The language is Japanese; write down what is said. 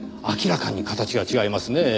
明らかに形が違いますね。